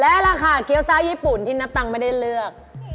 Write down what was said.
และราคาเกี้ยวซ่าญี่ปุ่นที่นับตังค์ไม่ได้เลือก